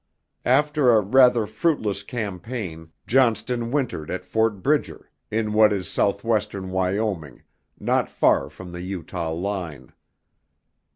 After a rather fruitless campaign, Johnston wintered at Fort Bridger, in what is southwestern Wyoming, not far from the Utah line.